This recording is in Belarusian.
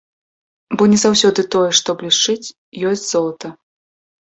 Бо не заўсёды тое, што блішчыць, ёсць золата.